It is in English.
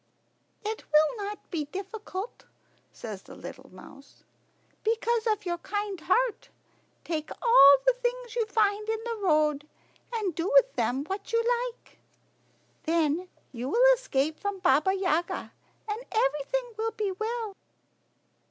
"It will not be difficult," says the little mouse, "because of your kind heart. Take all the things you find in the road, and do with them what you like. Then you will escape from Baba Yaga, and everything will be well."